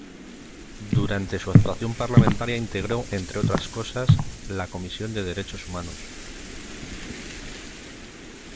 Durante su actuación parlamentaria integró, entre otras, la Comisión de Derechos Humanos.